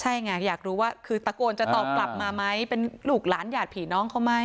ใช่ไงอยากรู้ว่าคือตะโกนจะตอบกลับมาไหมเป็นลูกหลานหยาดผีน้องเขาไหม